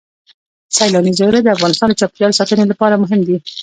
سیلاني ځایونه د افغانستان د چاپیریال ساتنې لپاره مهم دي.